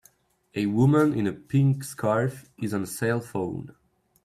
A woman in a pink scarf is on a cellphone.